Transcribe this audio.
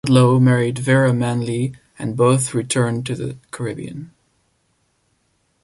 Ludlow married Vera Manley and both returned to the Caribbean.